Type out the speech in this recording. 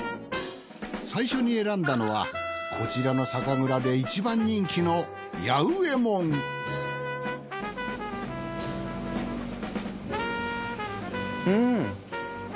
最初に選んだのはこちらの酒蔵で一番人気のうん。